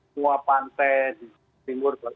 semua pantai di timur